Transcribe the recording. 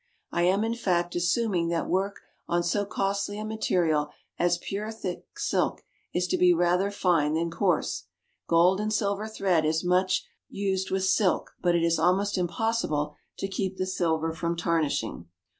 I am, in fact, assuming that work on so costly a material as pure thick silk is to be rather fine than coarse. Gold and silver thread is much used with silk, but it is almost impossible to keep the silver from tarnishing.